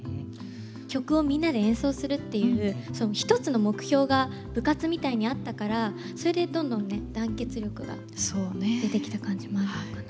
曲をみんなで演奏するっていう一つの目標が部活みたいにあったからそれでどんどんね団結力が出てきた感じもあるのかな。